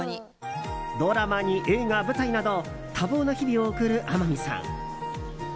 ドラマに映画、舞台など多忙な日々を送る天海さん。